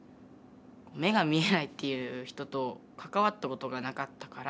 目が見えないっていう人と関わったことがなかったから。